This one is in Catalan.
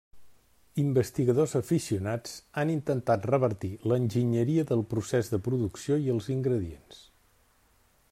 Investigadors aficionats han intentat revertir l'enginyeria del procés de producció i els ingredients.